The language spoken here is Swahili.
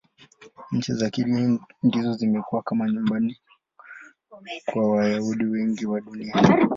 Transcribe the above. Nchi za kigeni ndizo zimekuwa kama nyumbani kwa Wayahudi wengi wa Dunia.